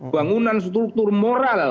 bangunan struktur moral